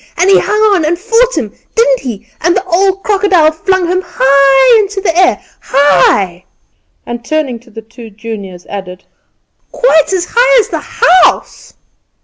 "And he hung on and fought him, didn't he?" "And the Old Crocodile flung him high into the air? High!" and turning to his two juniors, added "quite as high as the house!